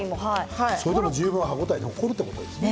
それでも十分、歯応えが残るということですね。